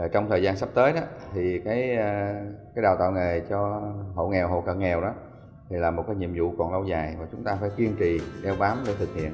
trong thời gian sắp tới đào tạo nghề cho hộ nghèo hộ cần nghèo là một nhiệm vụ còn lâu dài và chúng ta phải kiên trì đeo bám để thực hiện